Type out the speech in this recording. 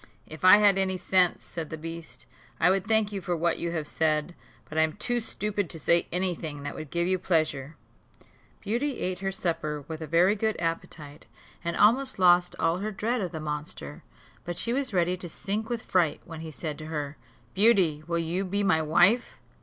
"If I had any sense," said the beast, "I would thank you for what you have said; but I am too stupid to say any thing that would give you pleasure." Beauty ate her supper with a very good appetite, and almost lost all her dread of the monster; but she was ready to sink with fright, when he said to her, "Beauty, will you be my wife?"